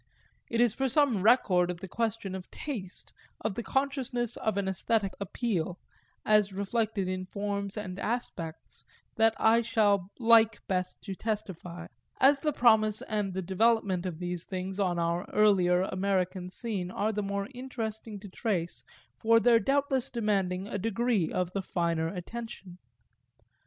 It is for some record of the question of taste, of the consciousness of an æsthetic appeal, as reflected in forms and aspects, that I shall like best to testify; as the promise and the development of these things on our earlier American scene are the more interesting to trace for their doubtless demanding a degree of the finer attention.